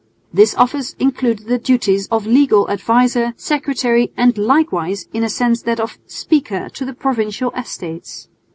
This office included the duties of legal adviser, secretary and likewise in a sense that of "Speaker" to the Provincial Estates.